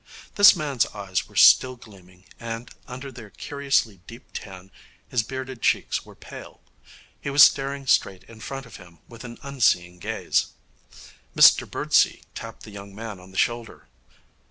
This man's eyes were still gleaming, and under their curiously deep tan his bearded cheeks were pale. He was staring straight in front of him with an unseeing gaze. Mr Birdsey tapped the young man on the shoulder.